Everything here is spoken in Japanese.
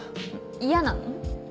嫌なの？